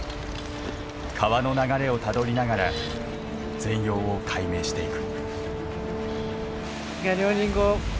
川の流れをたどりながら全容を解明していく。